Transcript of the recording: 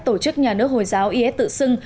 tổ chức nhà nước hồi giáo is tự xưng